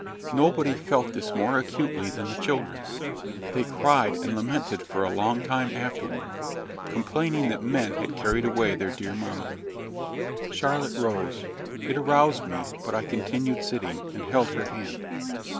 Nobody felt this more acutely than the children: they cried and lamented for a long time afterward, complaining that men had carried away their dear mamma." Charlotte rose. It aroused me; but I continued sitting, and held her hand.